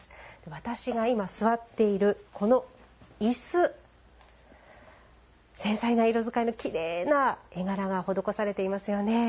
私が今、座っている、このいす繊細な色使いの、きれいな絵柄が施されていますよね。